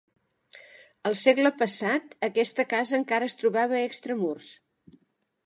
Al segle passat, aquesta casa encara es trobava extramurs.